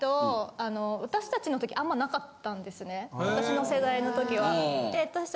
私の世代の時は。